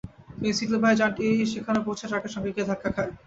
ফেনসিডিলবাহী যানটি সেখানে পৌঁছে ট্রাকের সঙ্গে গিয়ে ধাক্কা খায়।